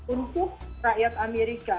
untuk rakyat amerika